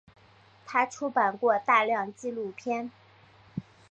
他出版过大量纪录片。